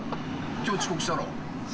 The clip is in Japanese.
今日遅刻したろ。